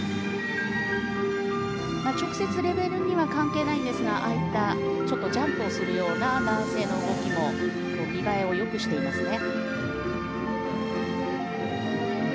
直接レベルには関係ないんですがああいったちょっとジャンプをするような男性の動きも見栄えを良くしていますね。